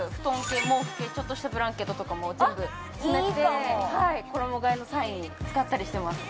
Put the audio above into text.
系毛布系ちょっとしたブランケットとかも全部詰めて衣替えの際に使ったりしてます